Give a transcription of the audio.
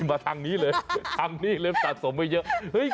มาทางนี้เลยทางนี้เริ่มสะสมไว้เยอะ